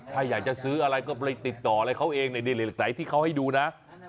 ถ้าอยากจะซื้ออะไรก็ไปติดต่ออะไรเขาเองไหนที่เขาให้ดูนะ